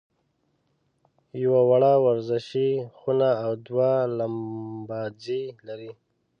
یوه وړه ورزشي خونه او دوه لمباځي لري.